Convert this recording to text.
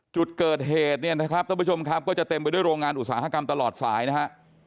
จุดเกิดเหตุเนี่ยนะครับท่านผู้ชมครับก็จะเต็มไปด้วยโรงงานอุตสาหกรรมตลอดสายนะฮะ